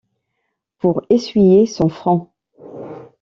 Pour essuyer son front.